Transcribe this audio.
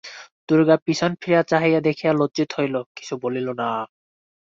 দুর্গা পিছন ফিরিয়া চাহিয়া দেখিয়া লজ্জিত হইল, কিছু বলিল না।